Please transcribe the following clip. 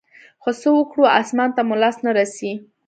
خو څه وكړو اسمان ته مو لاس نه رسي.